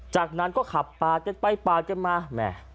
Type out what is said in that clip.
จากนั้นก็ขับปลาเก็บไปปลาเก็บมา